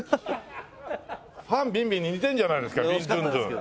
ファン・ビンビンに似てるじゃないですかビンドゥンドゥン。